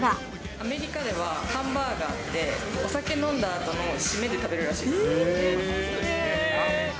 アメリカではハンバーガーって、お酒飲んだあとの締めで食べるらしいです。